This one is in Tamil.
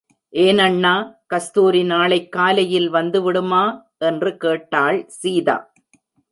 ஏனண்ணா, கஸ்தூரி நாளைக் காலையில் வந்து விடுமா? என்று கேட்டாள் சீதா.